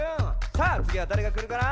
さあつぎはだれがくるかな？